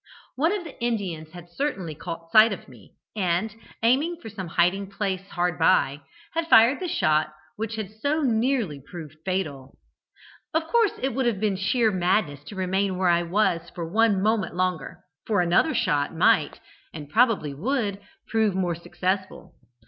"One of the Indians had certainly caught sight of me, and, aiming from some hiding place hard by, had fired the shot which had so nearly proved fatal. "Of course it would have been sheer madness to remain where I was for one moment longer, for another shot might, and probably would, prove more successful.